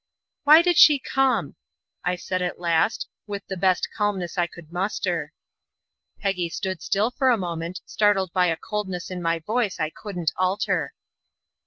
"Why did she come?" I said, at last, with the best calmness I could muster. Peggy stood still for a moment, startled by a coldness in my voice I couldn't alter.